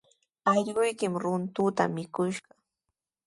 Allquykimi runtuta mikuskishqa.